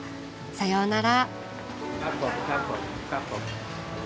さようなら。